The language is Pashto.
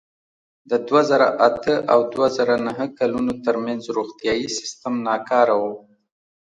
د دوه زره اته او دوه زره نهه کلونو ترمنځ روغتیايي سیستم ناکار و.